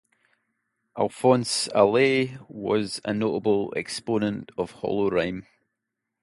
Alphonse Allais was a notable exponent of holorime.